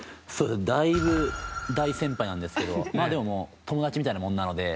だいぶ大先輩なんですけどまあでも友達みたいなものなので。